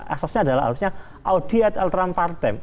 asasnya adalah harusnya audiat elteram partem